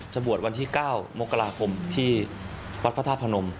บวชวันที่๙มกราคมที่วัดพระธาตุพนม